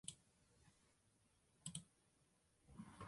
该物种的模式产地在日本。